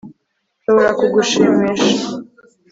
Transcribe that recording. Nshobora kugushimisha